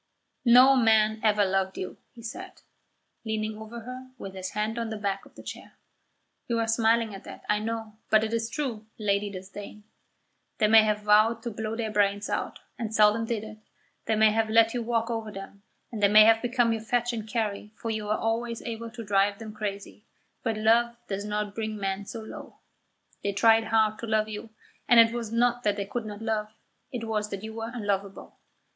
"No man ever loved you," he said, leaning over her with his hand on the back of the chair. "You are smiling at that, I know; but it is true, Lady Disdain. They may have vowed to blow their brains out, and seldom did it; they may have let you walk over them, and they may have become your fetch and carry, for you were always able to drive them crazy; but love does not bring men so low. They tried hard to love you, and it was not that they could not love; it was that you were unlovable.